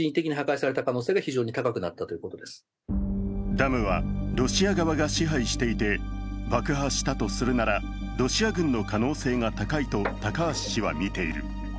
ダムはロシア側が支配していて、爆破したとするならロシア軍の可能性が高いと高橋氏はみている。